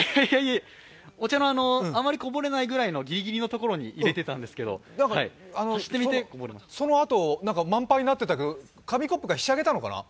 こぼれないぐらいのギリギリのところに入れていたんですけどそのあと満杯になってたけど紙コップがひしゃげたのかな？